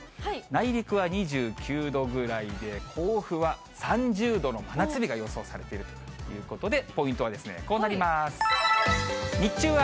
内陸は２９度ぐらいで、甲府は３０度の真夏日が予想されているということで、ポイントはこうなります。